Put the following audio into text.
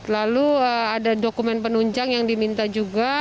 lalu ada dokumen penunjang yang diminta juga